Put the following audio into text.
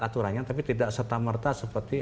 aturannya tapi tidak setamerta seperti